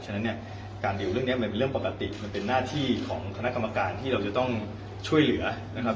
ฉะนั้นเนี่ยการดิวเรื่องนี้มันเป็นเรื่องปกติมันเป็นหน้าที่ของคณะกรรมการที่เราจะต้องช่วยเหลือนะครับ